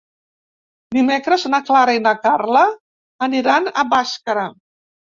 Dimecres na Clara i na Carla aniran a Bàscara.